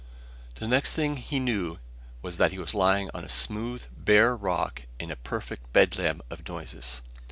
The next thing he knew was that he was lying on smooth, bare rock in a perfect bedlam of noises.